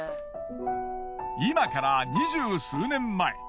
今から２０数年前。